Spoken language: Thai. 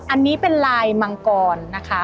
อันนี้เป็นลายมังกรนะคะ